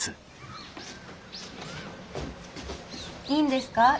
いいんですか？